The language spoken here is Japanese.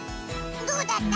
どうだった？